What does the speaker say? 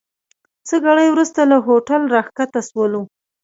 څه ګړی وروسته له هوټل راکښته سولو.